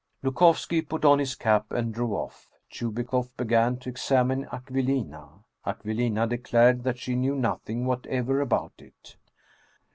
Dukovski put on his cap and drove off. Chubikoff began to examine Aquilina. Aquilina declared that she knew nothing whatever about it.